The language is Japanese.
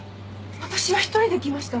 私は１人で来ました。